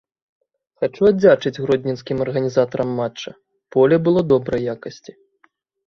Хачу аддзячыць гродзенскім арганізатарам матча, поле было добрай якасці.